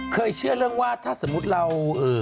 เชื่อเรื่องว่าถ้าสมมุติเรา